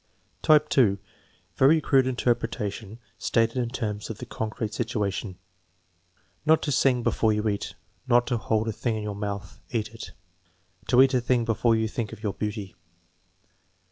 Type (2), very crude interpretation stated in terms of the con crete situation: "Not to sing before you eat." "Not to hold a tiling in your month; cat it." "To eat a tiling before you think of your beauty."